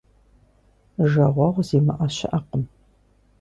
Жагъуэгъу зимыӏэ щыӏэкъым.